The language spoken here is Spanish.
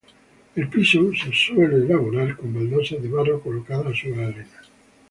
El piso se suele elaborar con baldosas de barro colocadas sobre arena.